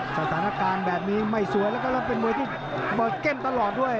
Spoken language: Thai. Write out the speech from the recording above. สถานการณ์แบบนี้ไม่สวยแล้วก็แล้วเป็นมวยที่เปิดเกมตลอดด้วย